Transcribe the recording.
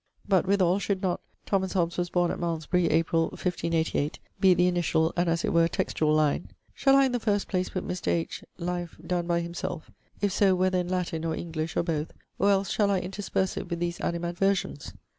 But, with all, should not "Thomas Hobbes was borne at Malmesbury, Apr. ... 1588" be the initiall and, as it were, textuall, line? Shall I in the first place putt Mr. H. life donne by himselfe? (If so, whether in Latin, or English, or both?) Or else, shall I intersperse it with these animadversions?